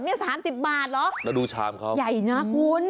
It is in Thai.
นี่๓๐บาทเหรอใหญ่นะคุณถ้าดูชามเขา